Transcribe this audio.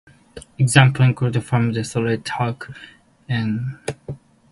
Examples include fumed silica, talc, and magnesium carbonate.